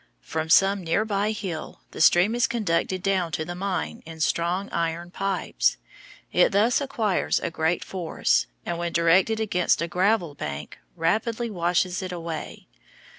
From some near by hill the stream is conducted down to the mine in strong iron pipes. It thus acquires a great force, and when directed against a gravel bank rapidly washes it away.